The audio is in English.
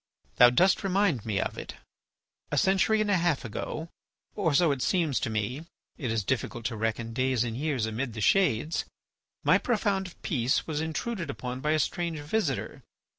"Thou dost remind me of it. A century and a half ago, or so it seems to me (it is difficult to reckon days and years amid the shades), my profound peace was intruded upon by a strange visitor.